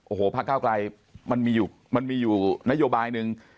โอ้โหภาคก้าวกลายมันมีอยู่นโยบายหนึ่ง